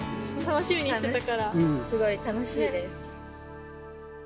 楽しみにしてたから、すごく楽しいです。